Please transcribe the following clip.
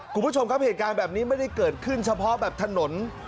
คุณผู้ชมครับเหตุการณ์แบบนี้ไม่ได้เกิดขึ้นเฉพาะแบบถนน